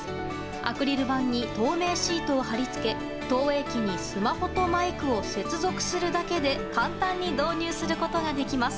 アクリル板に透明シートを貼り付け投影機にスマホとマイクを接続するだけで簡単に導入することができます。